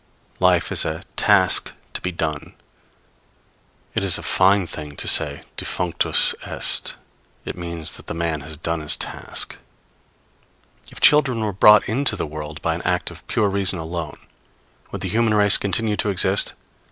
Life is a task to be done. It is a fine thing to say defunctus est; it means that the man has done his task. If children were brought into the world by an act of pure reason alone, would the human race continue to exist?